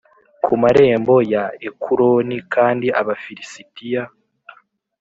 ku marembo ya Ekuroni kandi Abafilisitiya